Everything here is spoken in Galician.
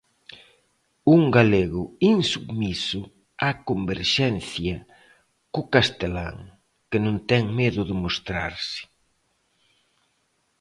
Un galego insubmiso á converxencia co castelán, que non ten medo de mostrarse.